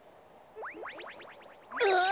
あっ！